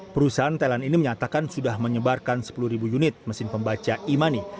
perusahaan thailand ini menyatakan sudah menyebarkan sepuluh unit mesin pembaca e money